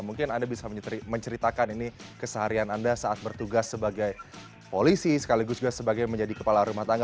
mungkin anda bisa menceritakan ini keseharian anda saat bertugas sebagai polisi sekaligus juga sebagai menjadi kepala rumah tangga